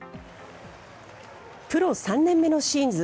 プロ３年目のシーズン